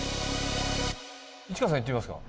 市川さんいってみますか。